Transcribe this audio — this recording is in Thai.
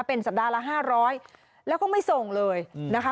เป็นสัปดาห์ละ๕๐๐แล้วก็ไม่ส่งเลยนะคะ